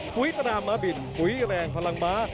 หุ้ยตรามาบินหุ้ยแรงพลังม้า